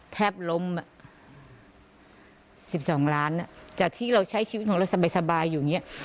แทบล้ม๑๒ล้านจากที่เราใช้ชีวิตของเราสบายอยู่อย่างนี้